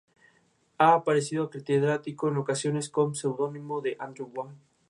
Ha aparecido acreditado en ocasiones con el pseudónimo de Andrew White.